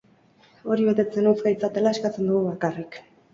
Hori betetzen utz gaitzatela eskatzen dugu bakarrik.